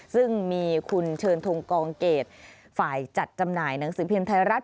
ซึ่งมีคุณเชิญทงกองเกรดฝ่ายจัดจำหน่ายหนังสือพิมพ์ไทยรัฐ